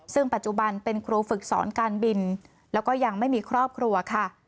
ซึ่งปัจจุบันเป็นครูฝึกสอนการบินแล้วก็ยังไม่มีครอบครัวค่ะ